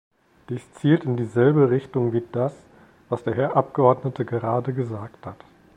Dies zielt in dieselbe Richtung wie das, was der Herr Abgeordnete gerade gesagt hat.